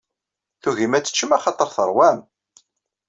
Tugim ad teččem axaṭer terwam.